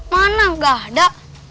mana gak ada